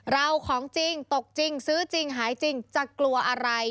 ของจริงตกจริงซื้อจริงหายจริงจะกลัวอะไร